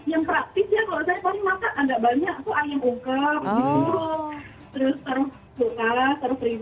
yang praktis ya kalau saya paling makan ada banyak ayam ungkep terus terus terus